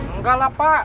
enggak lah pak